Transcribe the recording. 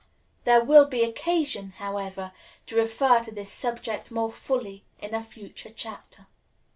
There will be occasion, however, to refer to this subject more fully in a future chapter.